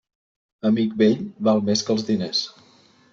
Amic vell val més que els diners.